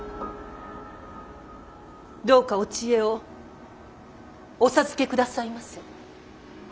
どうかお知恵をお授けくださいませ。